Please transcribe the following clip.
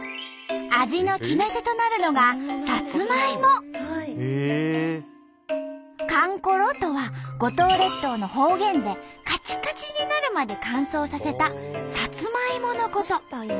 味の決め手となるのが「かんころ」とは五島列島の方言でカチカチになるまで乾燥させたサツマイモのこと。